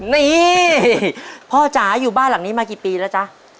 นี่พ่อจ๋าอยู่บ้านหลังนี้มากี่ปีแล้วจ๊ะ